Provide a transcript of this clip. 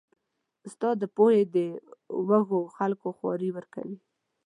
استاد د پوهې د وږو خلکو خواړه ورکوي.